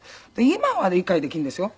今は理解できるんですよ。